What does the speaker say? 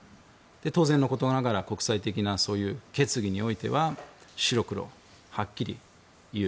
当然のことながら国際的な決議においては白黒はっきり言う。